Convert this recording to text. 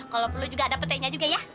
kalau perlu juga ada petainya juga ya